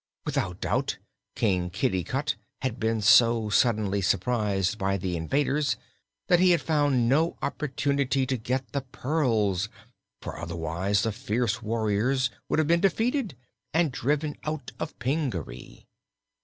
Without doubt King Kitticut had been so suddenly surprised by the invaders that he had found no opportunity to get the pearls, for otherwise the fierce warriors would have been defeated and driven out of Pingaree.